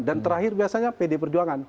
dan terakhir biasanya pdi perjuangan